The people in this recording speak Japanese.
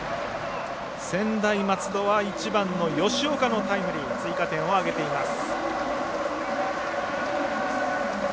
専大松戸は１番の吉岡のタイムリー追加点を挙げています。